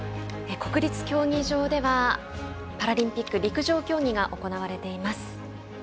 国立競技場ではパラリンピック陸上競技が行われています。